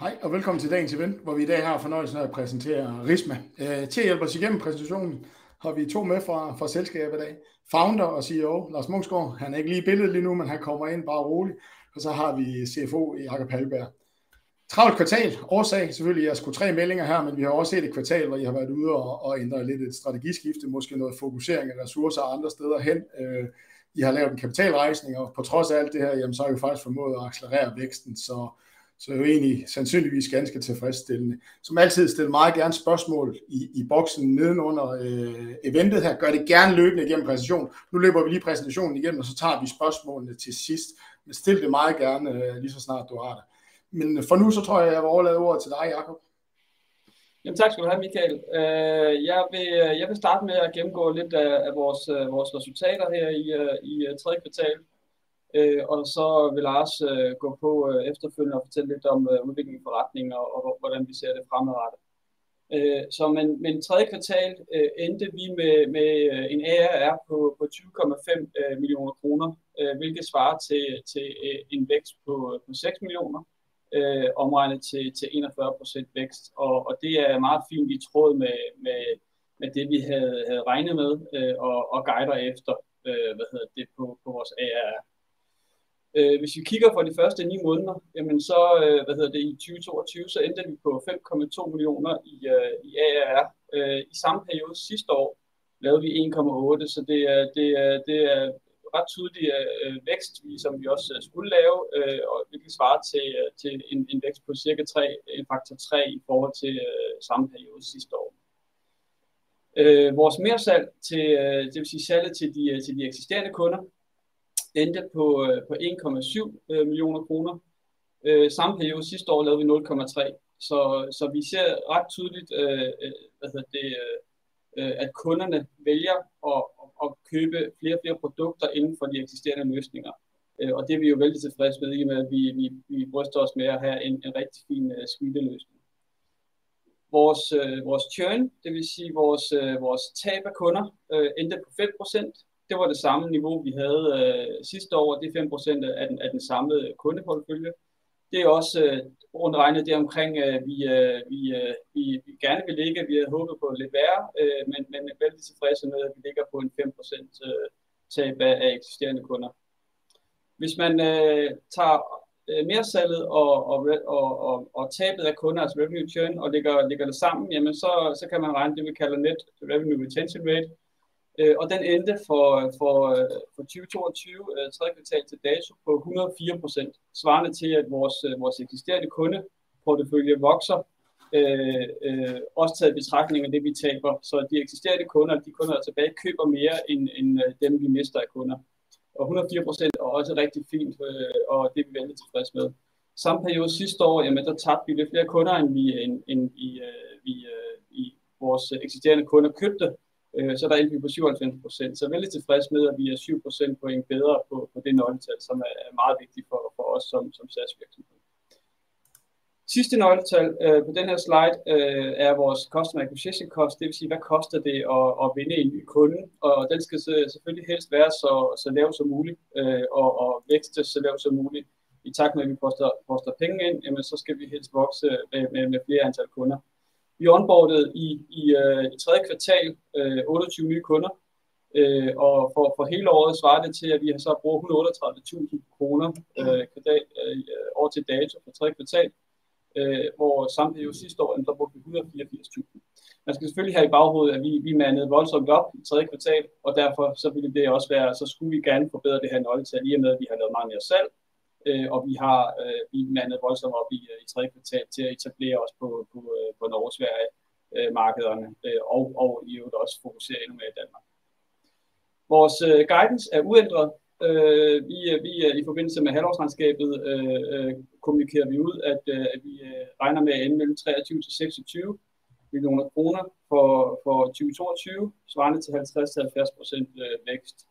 Hej og velkommen til dagens event, hvor vi i dag har fornøjelsen af at præsentere RISMA til at hjælpe os igennem præsentationen. Vi har to med fra selskabet i dag, Founder og CEO Lars Nybro Munksgaard. Han er ikke lige i billedet lige nu, men han kommer ind. Bare rolig. Så har vi CFO Jacob Færgemand. Travlt kvartal. Årsag selvfølgelig. Jeg skulle tage meldinger her, men vi har også set et kvartal, hvor I har været ude og ændre lidt. Et strategisk skifte, måske noget fokusering af ressourcer andre steder hen. I har lavet en kapitalrejsning, og på trods af alt det her, så har vi faktisk formået at accelerere væksten. Vi er egentlig sandsynligvis ganske tilfredsstillende. Som altid, stille meget gerne spørgsmål i boksen nedenunder eventet. Gør det gerne løbende igennem præsentationen. Nu løber vi præsentationen igennem, og så tager vi spørgsmålene til sidst. Send det meget gerne lige så snart du har det. For nu så tror jeg vil overlade ordet til dig, Jacob Færgemand. Tak skal du have, Michael. Jeg vil starte med at gennemgå lidt af vores resultater her i tredje kvartal, og så vil Lars gå på efterfølgende og fortælle lidt om udviklingen i forretningen, og hvordan vi ser det fremadrettet. Tredje kvartal endte vi med en AR på 20.5 millioner kroner, hvilket svarer til en vækst på 6 millioner omregnet til 41% vækst. Det er meget fint i tråd med hvad vi havde regnet med og guider efter. Hvad hedder det på vores AR? Hvis vi kigger på de første ni måneder, så hvad hedder det i 2022, så endte vi på 5.2 millioner i AR i samme periode. Sidste år lavede vi 1.8 millioner, så det er ret tydeligt, at vækst, som vi også skulle lave, og hvilket svarer til en vækst på cirka 3 faktor 3 i forhold til samme periode sidste år. Vores mersalg, det vil sige salget til de eksisterende kunder, endte på 1.7 millioner kroner. Samme periode sidste år lavede vi 0.3 millioner, så vi ser ret tydeligt, at kunderne vælger at købe flere og flere produkter inden for de eksisterende løsninger, og det er vi jo vældig tilfredse med, i og med at vi bryster os med at have en rigtig fin Suite løsning. Vores churn, det vil sige vores tab af kunder, endte på 5%. Det var det samme niveau, vi havde sidste år. Det er 5% af den samlede kundeportefølje. Det er også rundt regnet deromkring vi gerne vil ligge. Vi havde håbet på lidt værre, men er vældig tilfredse med, at vi ligger på en 5% tab af eksisterende kunder. Hvis man tager mersalget og tabet af kunder revenue churn og lægger det sammen, så kan man regne det vi kalder net revenue retention rate, og den endte for 2022 tredje kvartal til dato på 104% svarende til at vores eksisterende kundeportefølje vokser også taget i betragtning af det vi taber. De eksisterende kunder er tilbage køber mere end dem vi mister af kunder, og 104% er også rigtig fint, og det er vi vældig tilfredse med. Samme periode sidste år tabte vi lidt flere kunder, end vi i vores eksisterende kunder købte. Der endte vi på 97%, så vældig tilfreds med at vi er 7 procentpoint bedre på det nøgletal, som er meget vigtigt for os som SaaS virksomhed. Sidste nøgletal på denne slide er vores customer acquisition cost. Det vil sige, hvad koster det at vinde en ny kunde? Og den skal selvfølgelig helst være så lav som muligt og vækste så lavt som muligt. I takt med at vi poster penge ind, så skal vi helst vokse med flere antal kunder. Vi onboarded i tredje kvartal 28 nye kunder, og for hele året svarer det til, at vi har brugt 138,000 kroner pr. dag år til dato for tredje kvartal, hvor samme periode sidste år brugte vi 184,000. Man skal selvfølgelig have i baghovedet, at vi mandede voldsomt op i tredje kvartal, og derfor ville det også være. Skulle vi gerne forbedre det her nøgletal, i og med at vi har lavet meget mere salg. Vi har mandet voldsomt op i tredje kvartal til at etablere os på Norge Sverige markederne og i øvrigt også fokusere endnu mere i Danmark. Vores guidance er uændret. I forbindelse med halvårsregnskabet kommunikerer vi ud, at vi regner med at ende mellem 23 million og 26 million kroner for 2022, svarende til 50%-70% vækst.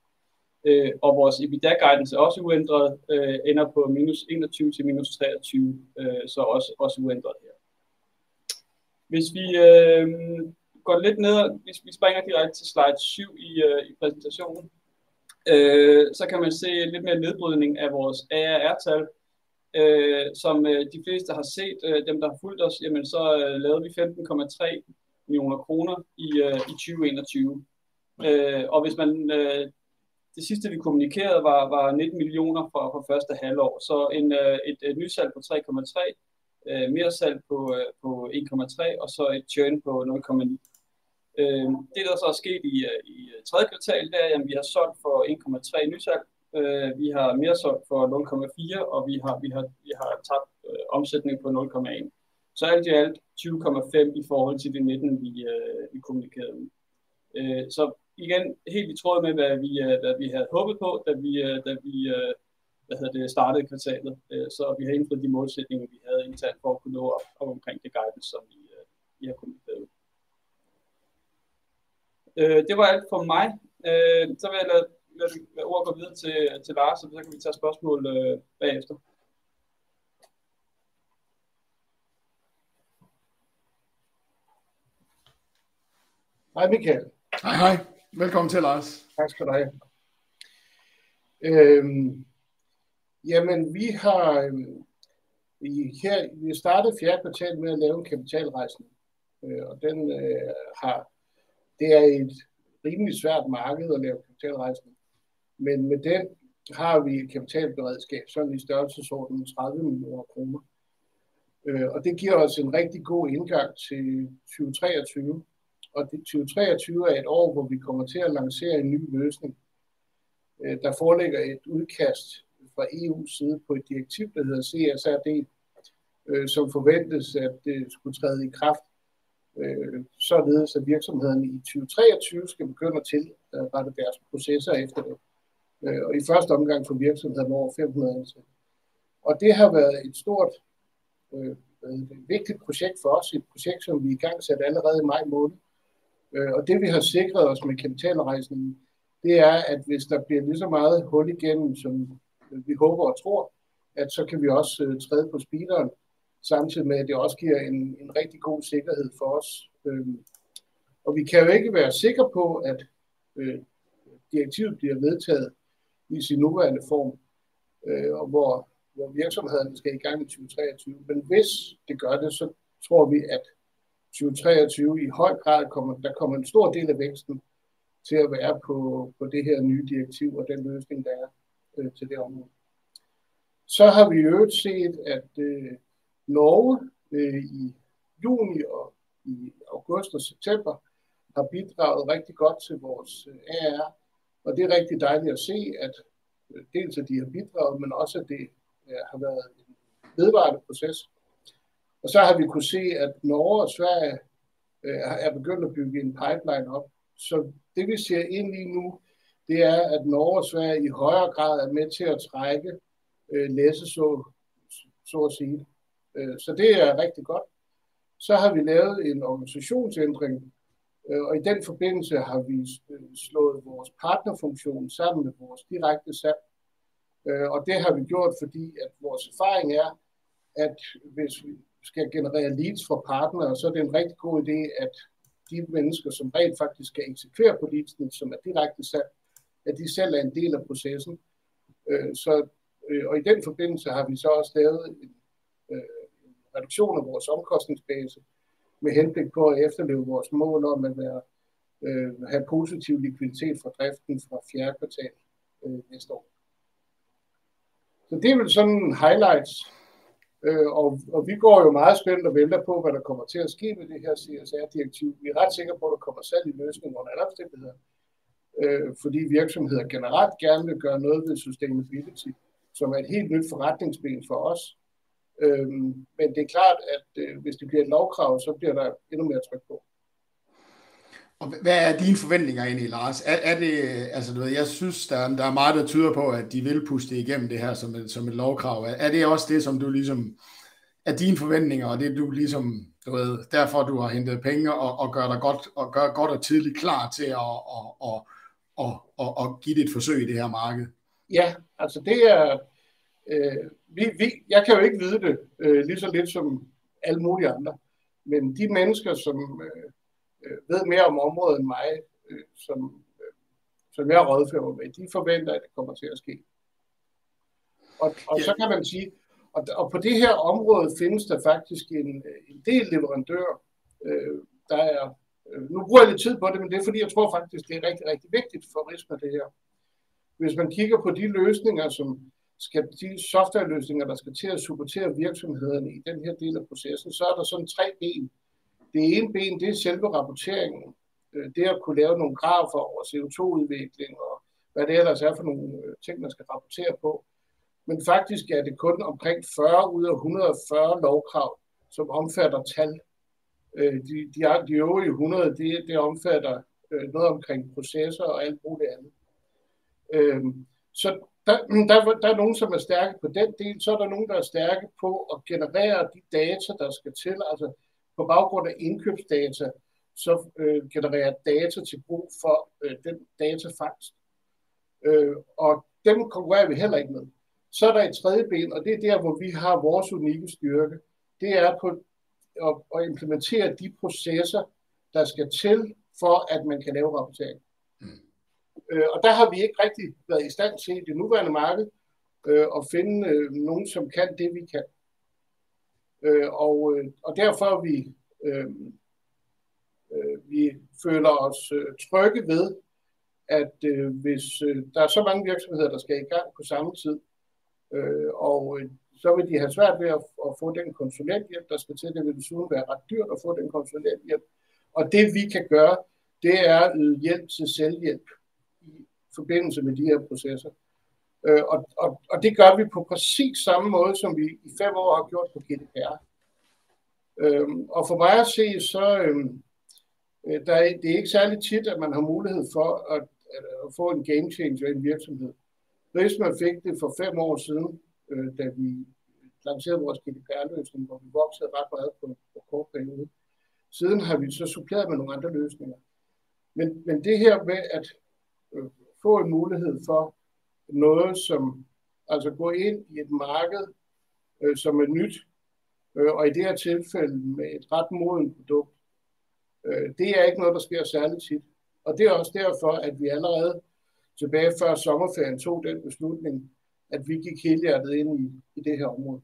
Vores EBITDA guidance er også uændret ender på -21 million til -23 million, så også uændret her. Hvis vi går lidt ned, hvis vi springer direkte til slide 7 i præsentationen, så kan man se lidt mere nedbrydning af vores ARR tal, som de fleste har set dem der har fulgt os. Lavede vi 15.3 million kroner i 2021, og hvis det sidste vi kommunikerede var 19 million for første halvår, så et nyt salg på 3.3 million mere salg på 1.3 million og en churn på 0.9 million. Det der så er sket i tredje kvartal er, at vi har solgt for 1.3 million nyt salg. Vi har mere solgt for 0.4 million, og vi har tabt omsætning på 0.1 million. Alt i alt 20.5 million i forhold til de 19 million vi kommunikerede. Igen helt i tråd med hvad vi havde håbet på, da vi startede kvartalet. Vi har indfriet de målsætninger, vi havde internt for at kunne nå op omkring det guidance, som vi har kommunikeret. Det var alt for mig. Vil jeg lade ordet gå videre til Lars, og så kan vi tage spørgsmål bagefter. Hej Michael. Hej hej. Velkommen til Lars. Tak skal du have. Jamen vi har her. Vi er startet fjerde kvartal med at lave en kapitalrejsning, og den har. Det er et rimelig svært marked at lave kapitalrejsning, men med den har vi et kapital beredskab i størrelsesordenen 30 million kroner, og det giver os en rigtig god indgang til 2023 og 2023 er et år, hvor vi kommer til at lancere en ny løsning. Der foreligger et udkast fra EU's side på et direktiv, der hedder CSRD, som forventes at skulle træde i kraft, således at virksomhederne i 2023 skal begynde at tilrette deres processer efter det og i første omgang for virksomheder med over 500 ansatte. Det har været et stort vigtigt projekt for os. Et projekt, som vi igangsatte allerede i maj måned, og det vi har sikret os med kapitalrejsningen, det er, at hvis der bliver lige så meget hul igennem, som vi håber og tror, at så kan vi også træde på speederen, samtidig med at det også giver en rigtig god sikkerhed for os. Vi kan jo ikke være sikker på, at direktivet bliver vedtaget i sin nuværende form, og hvor virksomhederne skal i gang i 2023. Hvis det gør det, så tror vi, at 2023 i høj grad kommer. Der kommer en stor del af væksten til at være på det her nye direktiv og den løsning, der er til det område. Har vi i øvrigt set, at Norge i juni og i august og september har bidraget rigtig godt til vores ARR, og det er rigtig dejligt at se, at dels at de har bidraget, men også at det har været en vedvarende proces. Har vi kunnet se, at Norge og Sverige er begyndt at bygge en pipeline op. Det vi ser ind i nu, det er, at Norge og Sverige i højere grad er med til at trække læsset. Så at sige. Det er rigtig godt. Har vi lavet en organisationsændring, og i den forbindelse har vi slået vores partner funktion sammen med vores direkte salg. Det har vi gjort fordi at vores erfaring er, at hvis vi skal generere leads for partnere, så er det en rigtig god idé, at de mennesker som rent faktisk skal eksekvere på leadsene, som er direkte salg, at de selv er en del af processen. I den forbindelse har vi så også lavet en reduktion af vores omkostningsbase med henblik på at efterleve vores mål om at have positiv likviditet fra driften fra fjerde kvartal næste år. Det er vel sådan highlights. Vi går jo meget spændt og venter på, hvad der kommer til at ske med det her CSRD direktiv. Vi er ret sikre på, at der kommer salg i løsningen under alle omstændigheder, fordi virksomheder generelt gerne vil gøre noget ved systemet i tid, som er et helt nyt forretningsben for os. Det er klart, at hvis det bliver et lovkrav, så bliver der endnu mere tryk på. Hvad er dine forventninger egentlig? Lars, er det? Altså, jeg synes, der er meget, der tyder på, at de vil pushe det igennem det her som et lovkrav. Er det også det, som du ligesom er dine forventninger, og det du ligesom ved, derfor du har hentet penge og gør dig godt og gør godt og tidligt klar til og give det et forsøg i det her marked. Ja, altså det er vi. Jeg kan jo ikke vide det. Lige så lidt som alle mulige andre. Men de mennesker, som ved mere om området end mig, som jeg rådfører mig med, de forventer, at det kommer til at ske. Og så kan man sige, at på det her område findes der faktisk en del leverandører, der er. Nu bruger jeg lidt tid på det, men det er fordi jeg tror faktisk, det er rigtig vigtigt for RISMA med det her. Hvis man kigger på de løsninger, de softwareløsninger, der skal til at supportere virksomhederne i den her del af processen, så er der sådan tre ben. Det ene ben er selve rapporteringen. Det at kunne lave nogle grafer over CO2 udvikling, og hvad det ellers er for nogle ting man skal rapportere på. Faktisk er det kun omkring 40 ud af 140 lovkrav, som omfatter tal. De øvrige 100. Det omfatter noget omkring processer og alt muligt andet, så der er nogle, som er stærke på den del. Er der nogen der er stærke på at generere de data der skal til. Altså på baggrund af indkøbsdata, så generere data til brug for den datafangst, og dem konkurrerer vi heller ikke med. Er der et tredje ben, og det er der, hvor vi har vores unikke styrke. Det er på at implementere de processer, der skal til for at man kan lave rapportering, og der har vi ikke rigtig været i stand til i det nuværende marked at finde nogen, som kan det, vi kan, og derfor vi. Vi føler os trygge ved, at hvis der er så mange virksomheder, der skal i gang på samme tid, og så vil de have svært ved at få den konsulentbistand, der skal til. Det vil desuden være ret dyrt at få den konsulent hjælp og det vi kan gøre. Det er hjælp til selvhjælp. Forbindelse med de her processer. Det gør vi på præcis samme måde, som vi i 5 år har gjort på GDPR. For mig at se, så er det ikke særlig tit, at man har mulighed for at få en game changer i en virksomhed. RISMA fik det for 5 år siden, da vi lancerede vores GDPR løsning, hvor vi voksede ret meget på en kort periode. Siden har vi suppleret med nogle andre løsninger. Det her med at få en mulighed for noget, som altså går ind i et marked som et nyt og i det her tilfælde med et ret modent produkt. Det er ikke noget, der sker særlig tit, og det er også derfor, at vi allerede tilbage før sommerferien tog den beslutning, at vi gik helhjertet ind i det her område.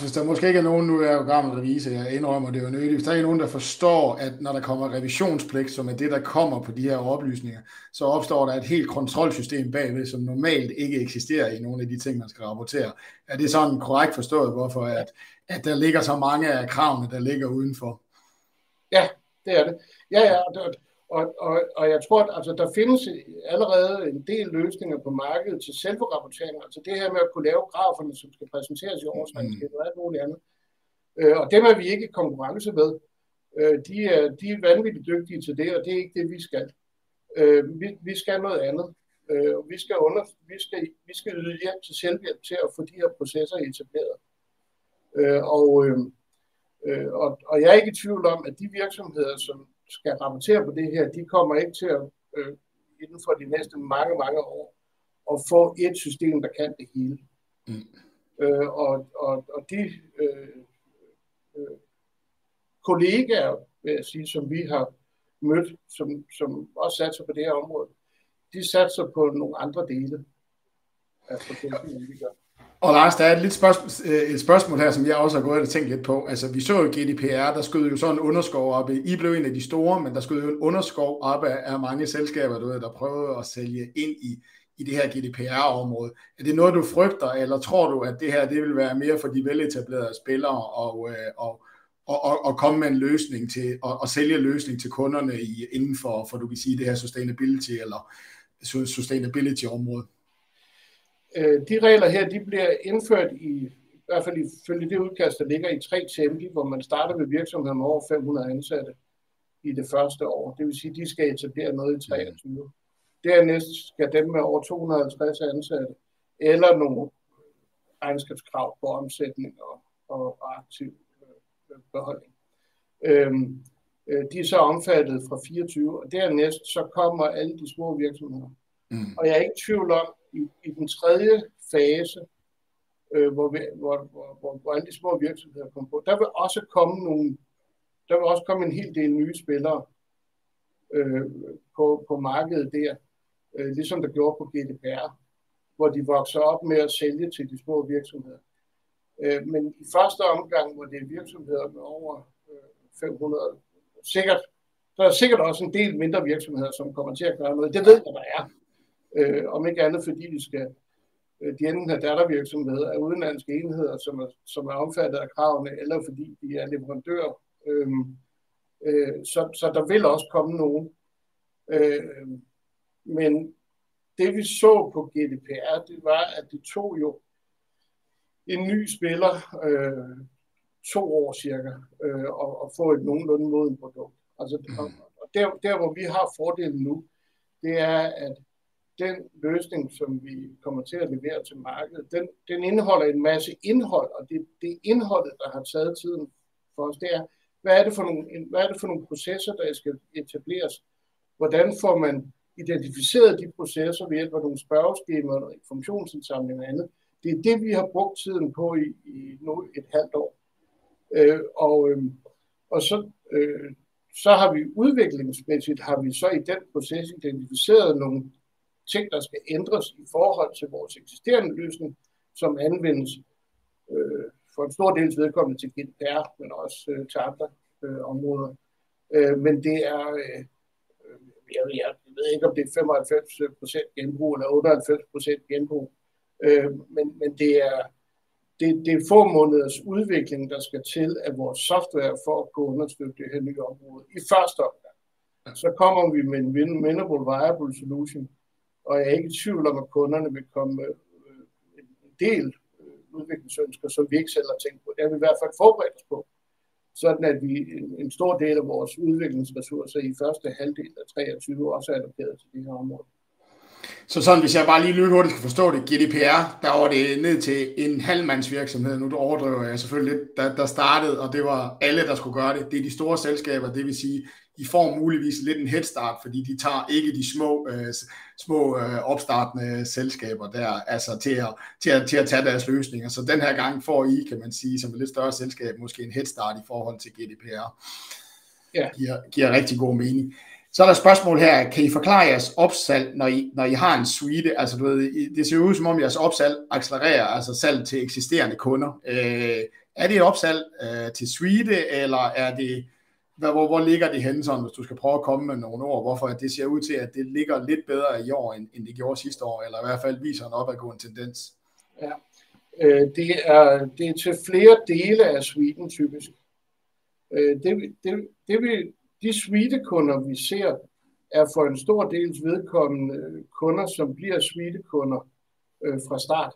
Hvis der måske ikke er nogen nu, er jeg gammel revisor. Jeg indrømmer det jo nødig. Hvis der er nogen, der forstår, at når der kommer revisionspligt, som er det der kommer på de her oplysninger, så opstår der et helt kontrolsystem bagved, som normalt ikke eksisterer i nogle af de ting, man skal rapportere. Er det sådan korrekt forstået? Hvorfor er det, at der ligger så mange af kravene, der ligger udenfor? Ja, det er det. Ja, og jeg tror, at der findes allerede en del løsninger på markedet til selvrapportering. Altså det her med at kunne lave graferne, som skal præsenteres i årsregnskabet og alt muligt andet. Dem er vi ikke i konkurrence med. De er vanvittigt dygtige til det, og det er ikke det, vi skal. Vi skal noget andet. Vi skal yde hjælp til selvhjælp til at få de her processer etableret. Jeg er ikke i tvivl om, at de virksomheder, som skal rapportere på det her, de kommer ikke til at inden for de næste mange år at få ét system, der kan det hele. De kollegaer vil jeg sige, som vi har mødt, som også satser på det her område. De satser på nogle andre dele af potentialet end vi gør. Lars Nybro Munksgaard, der er et lidt spørgsmål her, som jeg også har gået og tænkt lidt på. Vi så jo GDPR. Der skød jo en underskov op. I blev en af de store, men der skød en underskov op af mange selskaber, der prøvede at sælge ind i det her GDPR område. Er det noget du frygter? Eller tror du, at det her vil være mere for de veletablerede spillere og komme med en løsning til at sælge løsninger til kunderne inden for. For du kan sige det her sustainability eller sustainability område. De regler her bliver indført i hvert fald ifølge det udkast, der ligger i tre faser, hvor man starter med virksomheder med over 500 ansatte i det første år. Det vil sige, at de skal etablere noget i 2023. Dernæst skal dem med over 250 ansatte eller nogle regnskabskrav for omsætning og aktiv beholdning. De er så omfattet fra 2024, og dernæst så kommer alle de små virksomheder. Jeg er ikke i tvivl om i den tredje fase, hvor alle de små virksomheder kommer på. Der vil også komme nogle. Der vil også komme en hel del nye spillere på markedet der, ligesom der gjorde på GDPR, hvor de vokser op med at sælge til de små virksomheder. I første omgang var det virksomheder med over 500 sikkert. Der er sikkert også en del mindre virksomheder, som kommer til at gøre noget. Det ved jeg, der er. Om ikke andet fordi de skal. De enten har dattervirksomheder af udenlandske enheder, som er omfattet af kravene, eller fordi de er leverandører. Der vil også komme nogle. Det vi så på GDPR, det var, at det tog jo en ny spiller 2 år cirka at få et nogenlunde modent produkt. Altså der hvor vi har fordelen nu, det er, at den løsning, som vi kommer til at levere til markedet, den indeholder en masse indhold og det indhold, der har taget tiden for os, det er hvad er det for nogle? Hvad er det for nogle processer, der skal etableres? Hvordan får man identificeret de processer ved hjælp af nogle spørgeskemaer og informationsindsamling og andet? Det er det, vi har brugt tiden på i et halvt år, og så har vi. Udviklingsmæssigt har vi så i den proces identificeret nogle ting, der skal ændres i forhold til vores eksisterende løsning, som anvendes for en stordels vedkommende til GDPR, men også til andre områder. Jeg ved ikke, om det er 95% genbrug eller 98% genbrug. Det er det. Det er få måneders udvikling, der skal til af vores software for at kunne understøtte det her nye område i første omgang. Kommer vi med en minimum viable solution, og jeg er ikke i tvivl om, at kunderne vil komme med en del udviklingsønsker, som vi ikke selv har tænkt på. Det har vi i hvert fald forberedt os på, sådan at vi en stor del af vores udviklingsressourcer i første halvdel af 2023 også er allokeret til de her områder. Hvis jeg bare lige lykkedes med at forstå det GDPR derovre ned til en halv mands virksomhed. Nu overdriver jeg selvfølgelig lidt. Det startede, og det var alle, der skulle gøre det. Det er de store selskaber. Det vil sige, I får muligvis lidt en headstart, fordi de tager ikke de små opstartende selskaber der altså til og med til at tage deres løsninger. Den her gang får I, kan man sige som et lidt større selskab måske en headstart i forhold til GDPR. Giver rigtig god mening. Er der et spørgsmål her? Kan I forklare jeres upsell når I har en suite? Altså det ser jo ud som om jeres upsell accelererer. Altså salg til eksisterende kunder. Er det et upsell til suite eller er det hvor? Hvor ligger det henne? Hvis du skal prøve at komme med nogle ord hvorfor det ser ud til at det ligger lidt bedre i år, end det gjorde sidste år. I hvert fald viser en opadgående tendens. Ja, det er det til flere dele af suiten typisk. Det vil sige suite kunder vi ser er for en stor dels vedkommende kunder, som bliver suite kunder fra start,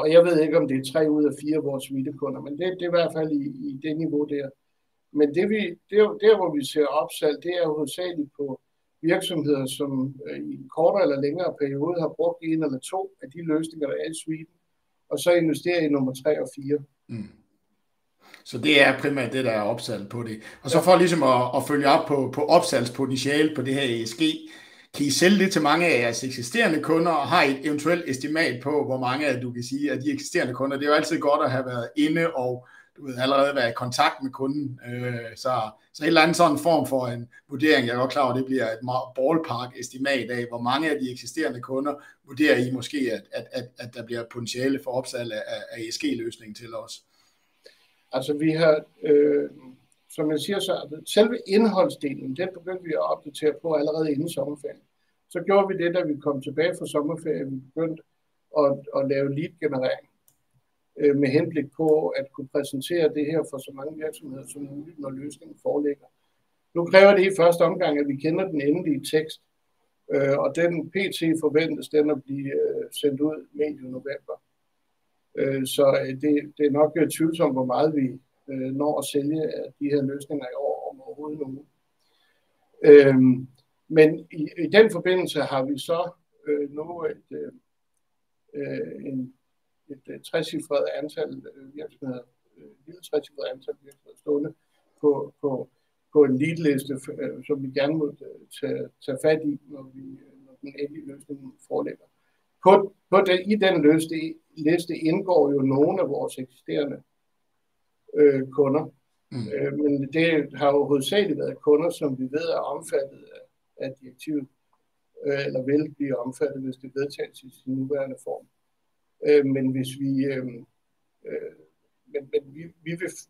og jeg ved ikke om det er tre ud af fire af vores suite kunder, men det er i hvert fald i det niveau der. Det er der, hvor vi ser opsalg, det er hovedsageligt på virksomheder, som i kortere eller længere periode har brugt en eller to af de løsninger der er i suiten og så investerer i nummer tre og fire. Det er primært det der er opsalg på det. For ligesom at følge op på opsalgs potentiale på det her ESG. Kan I sælge det til mange af jeres eksisterende kunder? Har I et eventuelt estimat på, hvor mange af du kan sige, at de eksisterende kunder? Det er jo altid godt at have været inde og allerede være i kontakt med kunden, så sådan en form for en vurdering. Jeg er godt klar over det bliver et ballpark estimat af, hvor mange af de eksisterende kunder vurderer I måske, at der bliver potentiale for opsalg af ESG løsningen til os. Altså, vi har. Som jeg siger, så selve indholdsdelen begyndte vi at opdatere på allerede inden sommerferien. Så gjorde vi det, da vi kom tilbage fra sommerferien. Vi begyndte at lave leadgenerering med henblik på at kunne præsentere det her for så mange virksomheder som muligt, når løsningen foreligger. Nu kræver det i første omgang, at vi kender den endelige tekst, og den p.t. forventes den at blive sendt ud medio November, så det er nok tvivlsomt, hvor meget vi når at sælge af de her løsninger i år overhovedet nogen. Men i den forbindelse har vi så nu et trecifret antal virksomheder stående på en liste, som vi gerne vil tage fat i, når vi når den endelige løsning foreligger. På både i den løse liste indgår jo nogle af vores eksisterende kunder, men det har hovedsageligt været kunder, som vi ved er omfattet af direktivet eller vil blive omfattet, hvis det vedtages i sin nuværende form.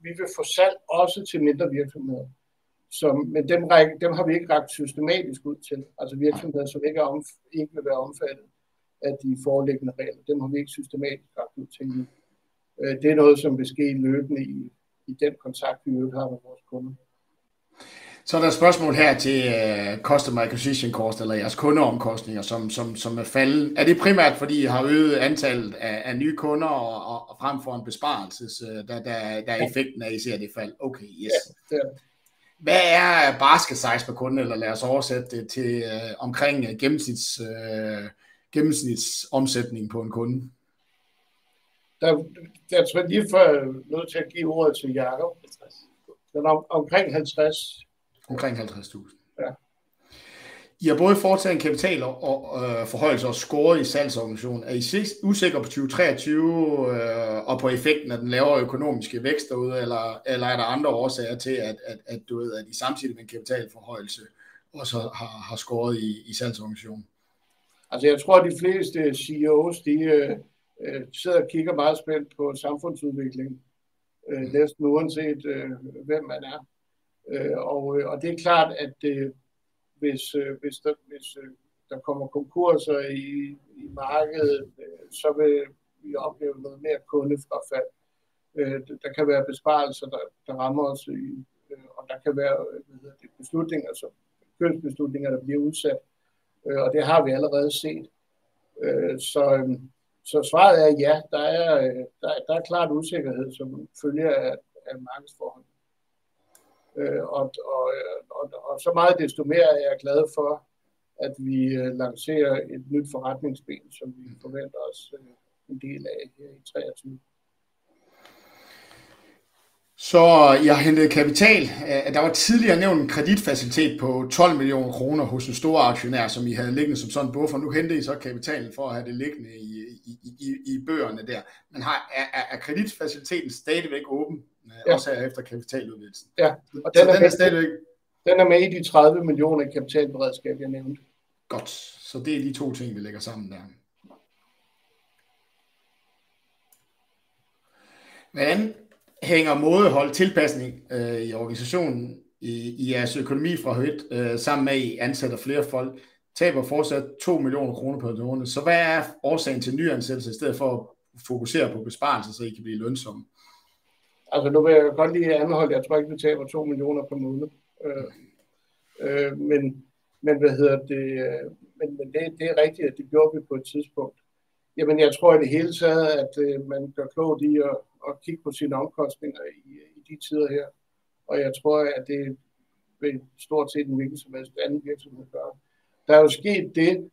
Vi vil få salg også til mindre virksomheder, som, men dem har vi ikke nået systematisk ud til. Altså virksomheder, som ikke er eller vil være omfattet af de foreliggende regler. Dem har vi ikke systematisk nået ud til endnu. Det er noget, som vil ske løbende i den kontakt, vi har med vores kunder. Er der et spørgsmål her til customer acquisition cost eller jeres kunde omkostninger, som er faldende. Er det primært fordi I har øget antallet af nye kunder og frem for en besparelse, da effekten af I ser det fald? Okay, yes. Hvad er basket size per kunde? Eller lad os oversætte det til omkring gennemsnits omsætning på en kunde. Der er jeg nødt til at give ordet til Jacob. Den er omkring 50. Omkring 50,000. Ja. I har både foretaget en kapitalforhøjelse og skåret i salgsorganisationen. Er I usikker på 2023 og på effekten af den lavere økonomiske vækst derude, eller er der andre årsager til, at du ved, at I samtidig med en kapitalforhøjelse også har skåret i salgsorganisationen? Jeg tror, at de fleste CEOs de sidder og kigger meget spændt på samfundsudviklingen, næsten uanset hvem man er. Det er klart, at hvis der kommer konkurser i markedet, så vil vi opleve noget mere kundefrafald. Der kan være besparelser, der rammer os, og der kan være beslutninger som købsbeslutninger, der bliver udsat. Det har vi allerede set. Svaret er ja, der er klart usikkerhed som følge af markedsforholdene. Så meget desto mere er jeg glad for, at vi lancerer et nyt forretningsben, som vi forventer os en del af her i 2023. I har hentet kapital. Der var tidligere nævnt en kreditfacilitet på 12 million kroner hos en storaktionær, som I havde liggende som en buffer. Nu henter I så kapitalen for at have det liggende i bøgerne der. Har af kreditfaciliteten stadigvæk åben også efter kapitaludvidelsen? Ja. Den er stadigvæk. Den er med i de 30 million i kapital beredskab jeg nævnte. Godt, det er de to ting vi lægger sammen der. Hænger måske tilpasning i organisationen i jeres økonomi fra højt sammen med I ansætter flere folk taber fortsat 2 million kroner på bunden. Hvad er årsagen til nyansættelse i stedet for at fokusere på besparelser, så I kan blive lønsomme? Altså nu vil jeg godt lige anholde. Jeg tror ikke vi taber DKK 2 million per måned. Men hvad hedder det? Det er rigtigt. Det gjorde vi på et tidspunkt. Jamen, jeg tror i det hele taget, at man gør klogt i at kigge på sine omkostninger i de tider her. Jeg tror, at det vil stort set en hvilken som helst anden virksomhed gøre. Der er jo sket det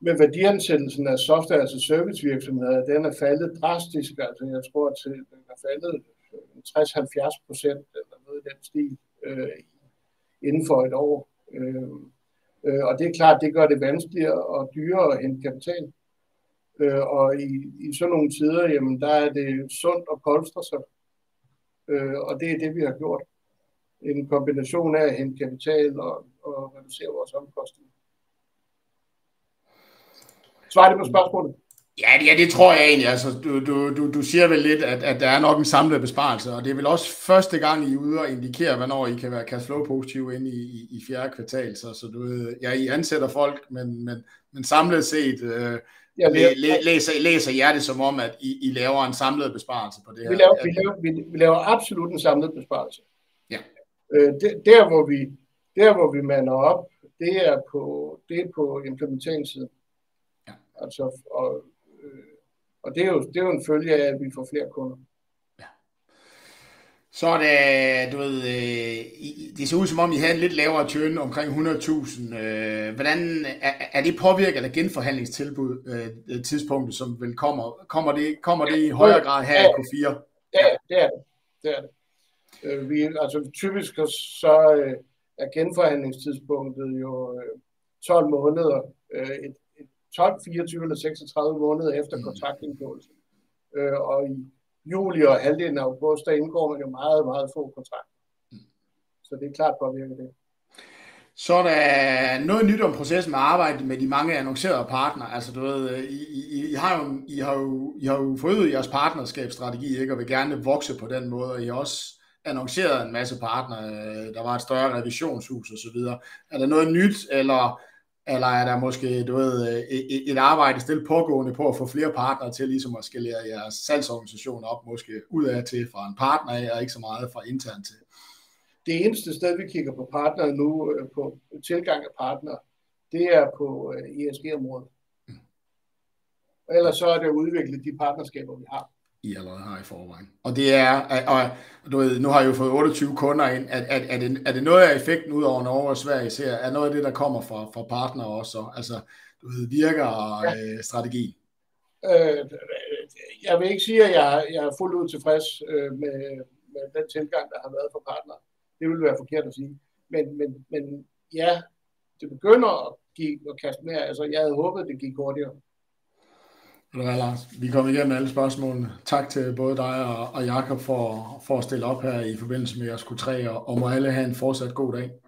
med værdiansættelsen af software service virksomheder. Den er faldet drastisk. Altså, jeg tror, at den er faldet 60%-70% eller noget i den stil inden for et år. Det er klart, at det gør det vanskeligere og dyrere at hente kapital. I sådan nogle tider, der er det sundt at polstre sig, og det er det, vi har gjort. En kombination af at hente kapital og reducere vores omkostninger. Svarer det på spørgsmålet? Ja, det tror jeg egentlig. Altså, du siger vel lidt, at der er nok en samlet besparelse, og det er vel også første gang, I er ude og indikere, hvornår I kan være cash flow positiv inde i fjerde kvartal. Så ja, I ansætter folk. Men. Samlet set læser jer det som om, at I laver en samlet besparelse på det. Vi laver absolut en samlet besparelse. Ja. Der hvor vi mander op, det er på implementeringssiden altså. Det er jo en følge af at vi får flere kunder. Er det du ved. Det ser ud som om I havde en lidt lavere churn omkring 100,000. Hvordan er det påvirket af genforhandling tilbud tidspunktet? Som vel kommer? Kommer det i højere grad her i Q4? Ja, det er det. Det er det vi typisk. Er genforhandling tidspunktet jo 12 måneder. Et 12, 24 eller 36 måneder efter kontrakt indgåelse og i juli og halvdelen af august. Der indgår man jo meget få kontrakter, så det er klart påvirket der. Er der noget nyt om processen med arbejdet med de mange annoncerede partnere. Altså, du ved, I har jo forøget jeres partnerskabsstrategi og vil gerne vokse på den måde. Og I har også annonceret en masse partnere. Der var et større revisionshus og så videre. Er der noget nyt, eller er der måske et arbejde pågående på at få flere partnere til ligesom at skalere jeres salgsorganisation op? Måske udadtil fra en partner? Jeg er ikke så meget for internt. Det eneste sted vi kigger på partnere nu på tilgang af partnere, det er på ESB området. Ellers så er det at udvikle de partnerskaber vi har. I allerede har i forvejen, og det er. Nu har I jo fået 28 kunder ind. Er det noget af effekten ud over Norge og Sverige? Især er noget af det, der kommer fra partnere også. Virker strategi. Jeg vil ikke sige, at jeg er fuldt ud tilfreds med den tilgang, der har været fra partnere. Det ville være forkert at sige. Ja, det begynder at give og kaste mere. Jeg havde håbet det gik hurtigere. Vi er kommet igennem alle spørgsmålene. Tak til både dig og Jacob for at stille op her i forbindelse med jeres Q3 og må alle have en fortsat god dag. Ja.